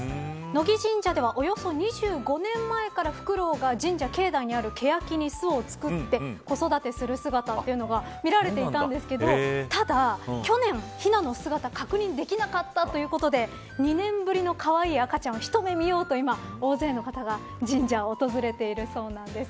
野木神社では、およそ２５年前からフクロウが神社境内にあるケヤキに巣を作って子育てする姿が見られているんですけどただ去年、ひなの姿は確認できなかったということで２年ぶりのかわいい赤ちゃんを一目見ようと大勢の方が神社を訪れているそうなんです。